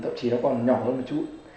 thậm chí nó còn nhỏ hơn một chút